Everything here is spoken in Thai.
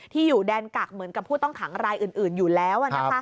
อยู่แดนกักเหมือนกับผู้ต้องขังรายอื่นอยู่แล้ว